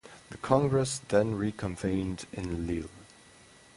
The congress then re-convened in Lille.